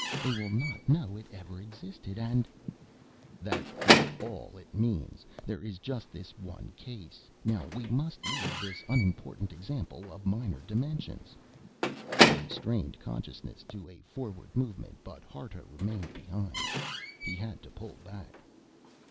They will not know it ever existed, and " "That is all it means. There is just this one case. Now we must leave this unimportant example of minor dimensions!" He strained consciousness to a forward movement but Harta remained behind. He had to pull back.